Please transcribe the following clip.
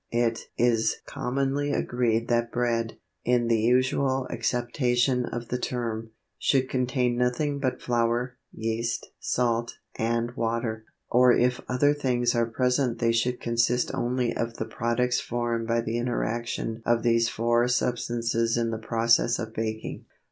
It is commonly agreed that bread, in the usual acceptation of the term, should contain nothing but flour, yeast, salt, and water; or if other things are present they should consist only of the products formed by the interaction of these four substances in the process of baking.